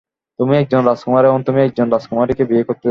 তুমি একজন রাজকুমার, এবং তুমি একজন রাজকুমারীকে বিয়ে করতে যাচ্ছ।